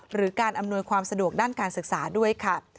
หรือการอำนวยความสะดวกด้านการศึกษาด้วยค่ะ